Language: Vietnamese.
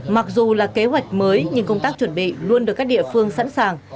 mặc dù là kế hoạch mới nhưng công tác chuẩn bị luôn được các địa phương sẵn sàng